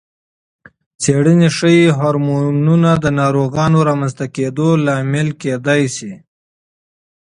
څېړنې ښيي، هورمونونه د ناروغۍ رامنځته کېدو لامل کېدای شي.